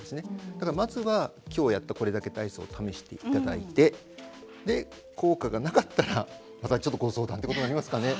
だから、まずは今日やったこれだけの体操を試していただき効果がなかったらご相談となりますかね。